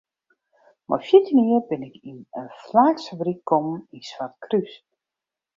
Mei fjirtjin jier bin ik yn in flaaksfabryk kommen yn Swartkrús.